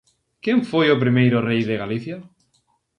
Quen foi o primeiro rei de Galicia?